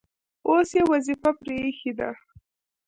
اوس یې وظیفه پرې ایښې ده.